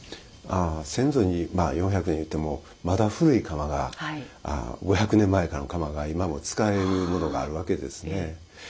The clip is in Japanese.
先祖にまあ４００年いうてもまだ古い釜が５００年前からの釜が今も使えるものがあるわけですね。